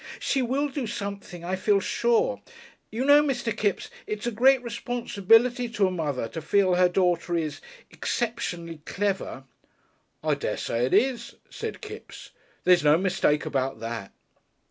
"She will do something, I feel sure. You know, Mr. Kipps, it's a great responsibility to a mother to feel her daughter is exceptionally clever." "I dessay it is," said Kipps. "There's no mistake about that."